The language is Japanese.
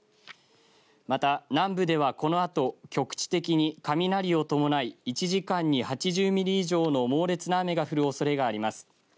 また南部ではこのあと局地的に雷を伴い１時間に８０ミリ以上の猛烈な雨が降るおそれがあります。